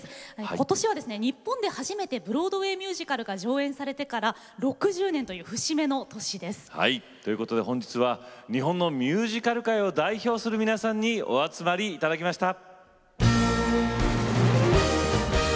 今年は日本で初めてブロードウェイミュージカルが上演されて６０年の節目の年です。ということで本日は日本のミュージカルを代表する皆さんにお集まりいただきました。